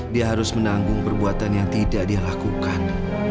dia harus menanggung perbuatan yang tidak dilakukan